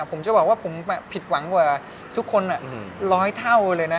ผมจะบอกว่าผมผิดหวังกว่าทุกคนร้อยเท่าเลยนะ